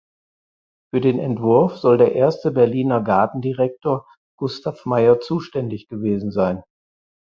Für den Entwurf soll der erste Berliner Gartendirektor Gustav Meyer zuständig gewesen sein.